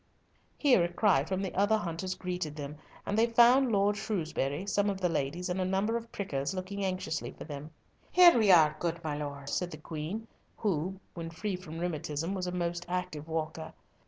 Here a cry from the other hunters greeted them, and they found Lord Shrewsbury, some of the ladies, and a number of prickers, looking anxiously for them. "Here we are, good my lord," said the Queen, who, when free from rheumatism, was a most active walker.